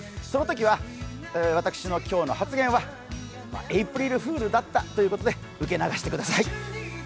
そのときは、私の今日の発言はエープリルフールだったということで受け流してください。